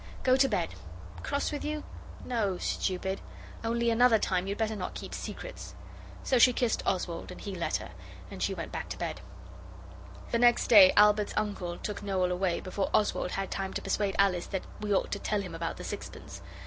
Go to bed. Cross with you? No, stupid! Only another time you'd better not keep secrets.' So she kissed Oswald, and he let her, and she went back to bed. The next day Albert's uncle took Noel away, before Oswald had time to persuade Alice that we ought to tell him about the sixpence.